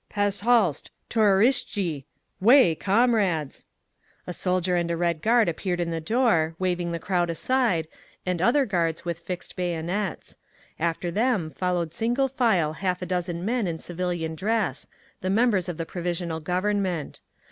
"Pazhal'st', touarishtchi! Way, Comrades!" A soldier and a Red Guard appeared in the door, waving the crowd aside, and other guards with fixed bayonets. After them followed single file half a dozen men in civilian dress—the members of the Provisional Government.